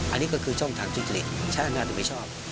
อันนี้ก็คือช่องทางชุดเจริญช้างน่าจะไม่ชอบ